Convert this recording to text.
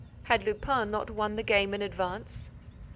Had Lupin not won the game in advance?